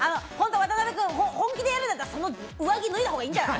渡邊君、本気でやるなら、その上着は脱いだほうがいいんじゃない？